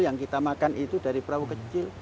yang kita makan itu dari perahu kecil